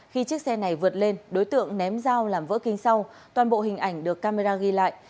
khi chiếc xe này vượt lên đối tượng ném dao làm vỡ kính sau toàn bộ hình ảnh được camera ghi lại